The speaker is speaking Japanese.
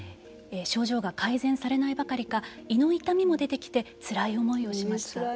症状が改善されないばかりか胃の痛みも出てきてつらい思いをしました。